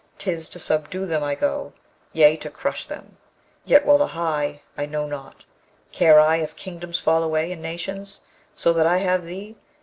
'Tis to subdue them I go; yea, to crush them. Yet, wallaby! I know not. Care I if kingdoms fall away, and nations, so that I have thee?